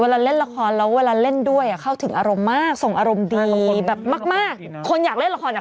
เล่นละครกับน้องแหงโอ้น้องน่ารักมากน่ารักมาก